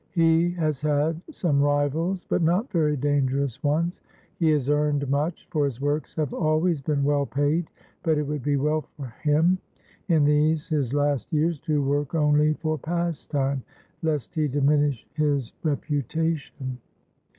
He has had some rivals, but not very dangerous ones. He has earned much, for his works have always been well paid; but it would be well for him, in these his last years, to work only for pastime, lest he diminish his reputatipn.